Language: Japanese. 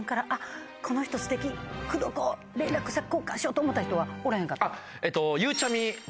この人ステキ口説こう連絡先交換しようと思った人はおらへんかった？